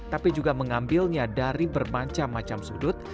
tapi juga mengambilnya dari bermacam macam sudut